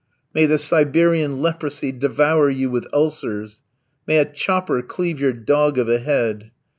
"May the Siberian leprosy devour you with ulcers!" "May a chopper cleave your dog of a head."